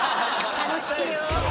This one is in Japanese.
楽しいよ。